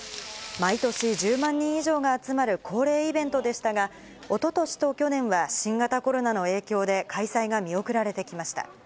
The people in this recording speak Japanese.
毎年、１０万人以上が集まる恒例イベントでしたが、おととしと去年は、新型コロナの影響で開催が見送られてきました。